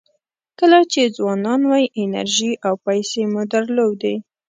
کله چې ځوانان وئ انرژي او پیسې مو درلودې.